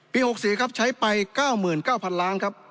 ปี๖๔ครับใช้ไปเก้าหมื่นเก้าพันล้านครับ